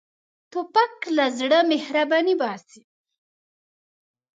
توپک له زړه مهرباني باسي.